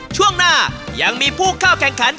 ช่วงหน้ายังมีผู้เข้าแข่งขัน